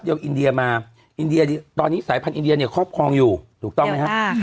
เดี๋ยวอินเดียมาอินเดียตอนนี้สายพันธ์อินเดียเนี่ยครอบครองอยู่ถูกต้องไหมครับ